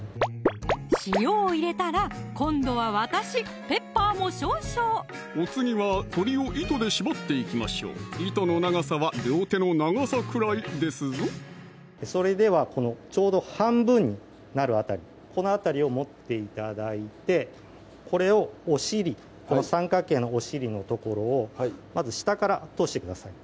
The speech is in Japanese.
塩を入れたら今度は私ペッパーも少々お次は鶏を糸で縛っていきましょう糸の長さは両手の長さくらいですぞそれではこのちょうど半分になる辺りこの辺りを持って頂いてこれをお尻この三角形のお尻の所をまず下から通してください